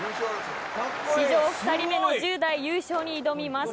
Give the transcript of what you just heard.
史上２人目の１０代優勝に挑みます。